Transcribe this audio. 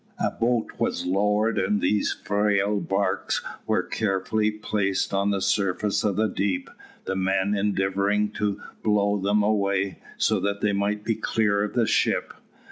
A boat was lowered and these frail barques were carefully placed on the surface of the deep, the men endeavouring to blow them away, so that they might be clear of the ship.